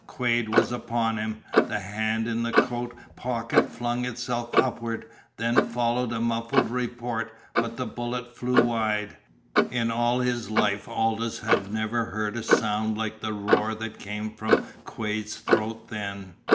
Quade was upon him. The hand in the coat pocket flung itself upward, there followed a muffled report, but the bullet flew wide. In all his life Aldous had never heard a sound like the roar that came from Quade's throat then.